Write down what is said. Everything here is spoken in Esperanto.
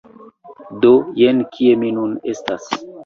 Do, jen kie mi nun estas...